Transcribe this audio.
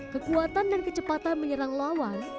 kekuatan dan kecepatan menyerang lawan